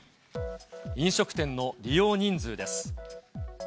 飲食店の利用人数です。